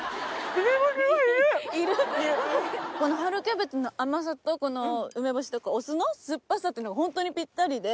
この春キャベツの甘さとこの梅干しとかお酢の酸っぱさっていうのがホントにぴったりで。